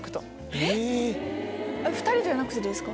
えっ２人じゃなくてですか？